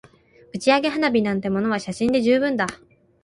打ち上げ花火なんてものは写真で十分だ